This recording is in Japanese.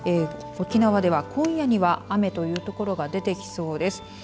沖縄では今夜には雨という所が出てきそうです。